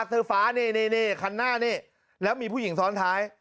เสื้อฟ้านี่คันหน้านี่แล้วมีผู้หญิงซ้อนท้าย